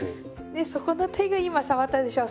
でそこの手が今触ったでしょう。